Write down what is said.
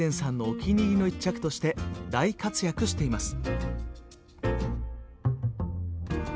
お気に入りの一着として大活躍しています。